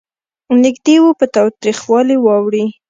نېږدې و په تاوتریخوالي واوړي.